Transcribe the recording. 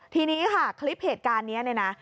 ทีนี้ค่ะคลิปเหตุการณ์นี้เนี่ยนะ